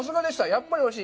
やっぱりおいしい。